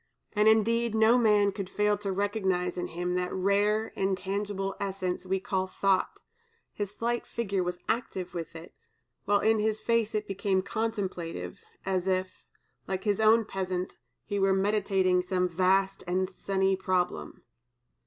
And, indeed, no man could fail to recognize in him that rare intangible essence we call thought; his slight figure was active with it, while in his face it became contemplative, as if, like his own peasant, he were "meditating some vast and sunny problem."